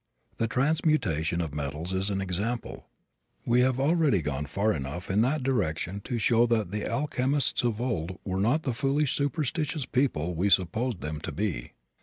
The transmutation of metals is an example. We have already gone far enough in that direction to show that the alchemists of old were not the foolish and superstitious people we supposed them to be.